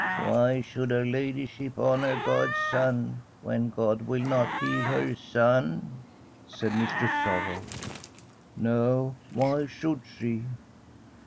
' Why should her ladyship honour God's Son when God will not heal her son ?' said Mistress Sorrow. ' No, why should she?